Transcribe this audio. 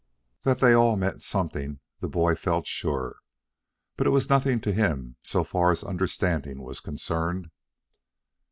That they all meant something, the boy felt sure. But it meant nothing to him so far as understanding was concerned.